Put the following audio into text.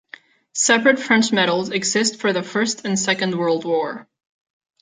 Separate French medals exist for the First and Second World War.